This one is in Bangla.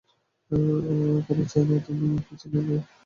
কেন চাই না সে কি তুই জানিস নে, ভাই।